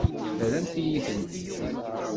Terramt-iyi-tent-id.